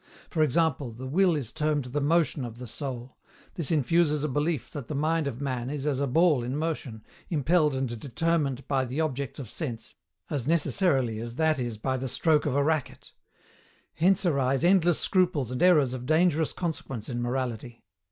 For example, the will is termed the motion of the soul; this infuses a belief that the mind of man is as a ball in motion, impelled and determined by the objects of sense, as necessarily as that is by the stroke of a racket. Hence arise endless scruples and errors of dangerous consequence in morality.